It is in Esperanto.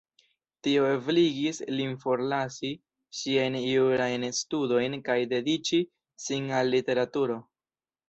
Tio ebligis lin forlasi siajn jurajn studojn kaj dediĉi sin al literaturo.